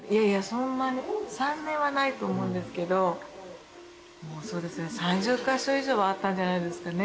そんなに３年はないと思うんですけどもうそうですね３０カ所以上はあったんじゃないですかね